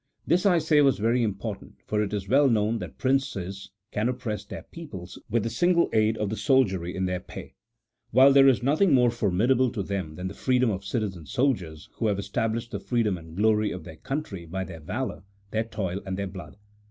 This I say was very important, for it is well known that princes can oppress their peoples with the single aid of the soldiery in their pay ; while there is nothing more formidable to them than the freedom of citizen soldiers, who have established the freedom and glory of their country by their valour, their toil, and their blood.